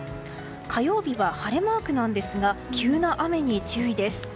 火曜日は晴れマークなんですが急な雨に注意です。